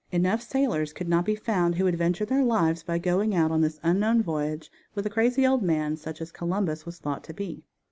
Enough sailors could not be found who would venture their lives by going out on this unknown voyage with a crazy old man such as Columbus was thought to be.